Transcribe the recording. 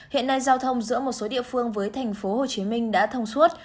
hiện nay giao thông giữa một số địa phương với tp hcm đã thông suốt